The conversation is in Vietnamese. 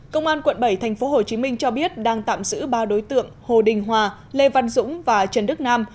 công an quận bảy tp hcm cho biết đang tạm giữ ba đối tượng hồ đình hòa lê văn dũng và trần đức nam